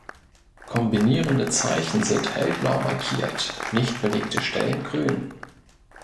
Kombinierende Zeichen sind hellblau markiert, nicht belegte Stellen grün.